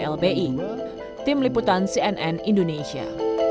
lbi tim liputan cnn indonesia